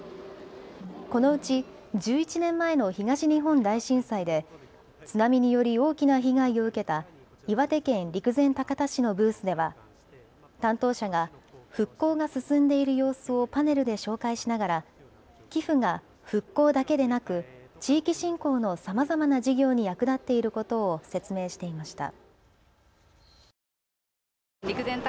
このうち１１年前の東日本大震災で津波により大きな被害を受けた岩手県陸前高田市のブースでは担当者が復興が進んでいる様子をパネルで紹介しながら寄付が復興だけでなく地域振興のさまざまな事業に役立っていることを説明していました。